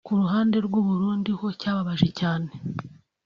Ku ruhande rw’u Burundi ho cyababaje cyane